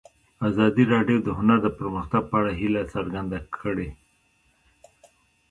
ازادي راډیو د هنر د پرمختګ په اړه هیله څرګنده کړې.